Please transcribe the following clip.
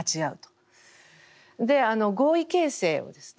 合意形成をですね